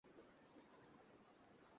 বেদসমূহ বাইবেলের মত একটি গ্রন্থমাত্র ছিল না।